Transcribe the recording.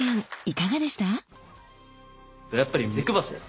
いかがでした？